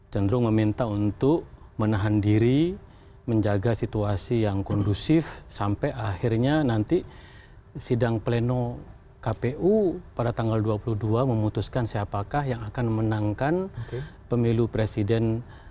cenderung meminta untuk menahan diri menjaga situasi yang kondusif sampai akhirnya nanti sidang pleno kpu pada tanggal dua puluh dua memutuskan siapakah yang akan menangkan pemilu presiden dua ribu sembilan belas